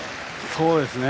そうですね。